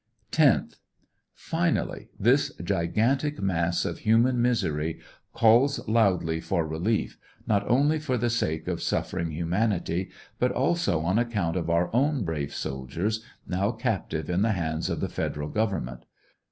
lOtb. Finally, this gigantic mass of human misery calls loudly for relief, not only for the sake of suffering humanity, but also on ac count of our own brave soldiers now captive in the hands of the Fed eral Government.